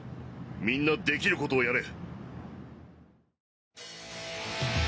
みんなできることをやれ。